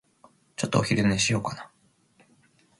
ちょっとお昼寝しようかな。